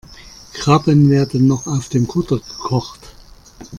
Krabben werden noch auf dem Kutter gekocht.